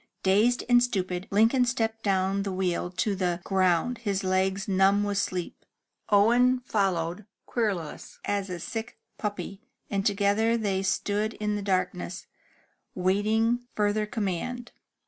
*' Dazed and stupid, Lincoln stepped down the wheel to the ground, his legs numb with sleep. Owen followed, querulous as a sick puppy, and together they stood in the darkness, waiting further command.